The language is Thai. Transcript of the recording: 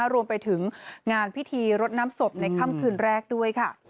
รวมไปถึงงานพิธีรดน้ำศพในค่ำคืนแรกด้วยค่ะ